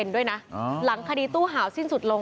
ลอย๕ด้วยนะหลังคดีตู้เผาสิ้นสุดลง